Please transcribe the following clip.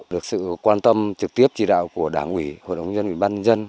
được sự quan tâm trực tiếp chỉ đạo của đảng ủy hội đồng dân ủy ban nhân dân